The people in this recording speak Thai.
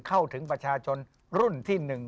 เข้าถึงประชาชนรุ่นที่๑